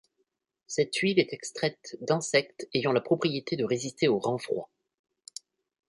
Cette huile est extraite d'insectes ayant la propriété de résister aux grands froids.